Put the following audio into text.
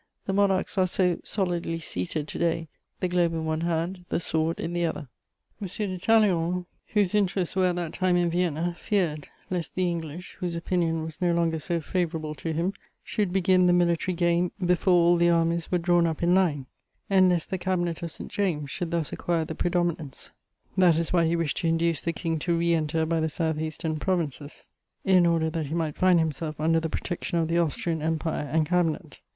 The monarchs are so solidly seated to day, the globe in one hand, the sword in the other! M. de Talleyrand, whose interests were at that time in Vienna, feared lest the English, whose opinion was no longer so favourable to him, should begin the military game before all the armies were drawn up in line, and lest the Cabinet of St. James should thus acquire the predominance: that is why he wished to induce the King to re enter by the south eastern provinces, in order that he might find himself under the protection of the Austrian Empire and Cabinet.